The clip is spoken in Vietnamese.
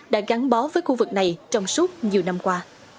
đã gắn bó với khu vực này trong suốt nhiều năm qua